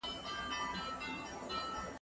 احمد شاه ابدالي څنګه د ستونزو حل ته کار کاوه؟